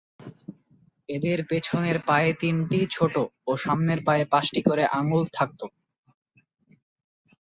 এদের পিছনের পায়ে তিনটি ছোট ও সামনের পায়ে পাঁচটি করে আঙুল থাকত।